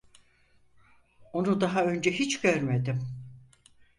Onu daha önce hiç görmedim.